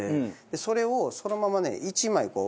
それをそのままね１枚こう。